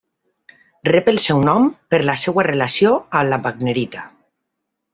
Rep el seu nom per la seva relació amb la wagnerita.